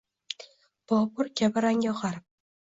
Bobur kabi rangi oqarib…